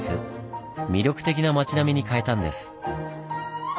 魅力的な町並みに変えたんです。